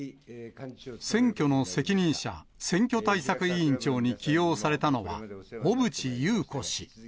選挙の責任者、選挙対策委員長に起用されたのは小渕優子氏。